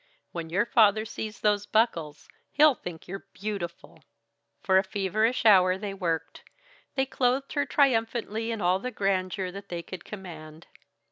"When your father sees those buckles, he'll think you're beautiful!" For a feverish hour they worked. They clothed her triumphantly in all the grandeur that they could command.